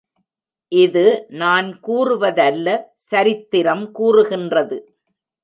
இது நான் கூறுவதல்ல சரித்திரம் கூறுகின்றது.